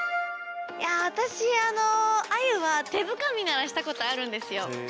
私アユは手づかみならしたことあるんですよ。